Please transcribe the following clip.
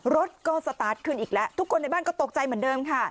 รถก็สตาร์ทขึ้นอีกแล้วทุกคนในบ้านก็ตกใจเหมือนเดิมค่ะ